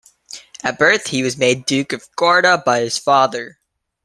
At birth, he was made Duke of Guarda by his father.